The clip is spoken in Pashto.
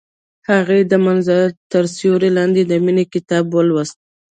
هغې د منظر تر سیوري لاندې د مینې کتاب ولوست.